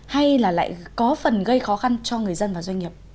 hay là lại có phần gây khó khăn cho người dân và doanh nghiệp